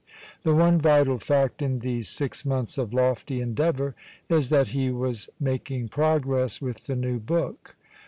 The one vital fact in these six months of lofty endeavour is that he was making progress with the new book.